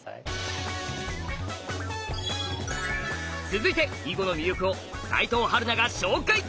続いて囲碁の魅力を齋藤陽菜が紹介！